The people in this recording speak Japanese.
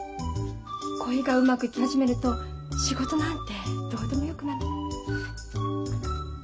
恋がうまくいき始めると仕事なんてどうでもよくなるね。